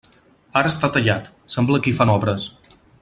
Ara està tallat, sembla que hi fan obres.